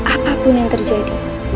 apapun yang terjadi